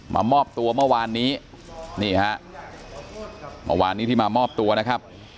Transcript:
มามอบตัวเมื่อวานนี้นี่ฮะเมื่อวานนี้ที่มามอบตัวนะครับ